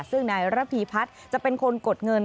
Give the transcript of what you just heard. ซึ่งนายระพีพัฒน์จะเป็นคนกดเงิน